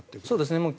そうですね。